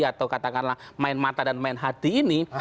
atau katakanlah main mata dan main hati ini